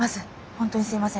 本当にすいません。